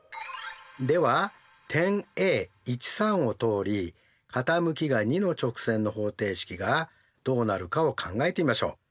では点Ａを通り傾きが２の直線の方程式がどうなるかを考えてみましょう。